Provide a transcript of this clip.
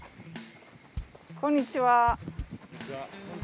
こんにちは。